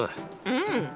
うん。